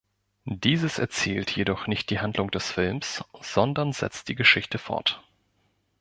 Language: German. Dieses erzählt jedoch nicht die Handlung des Films, sondern setzt die Geschichte fort.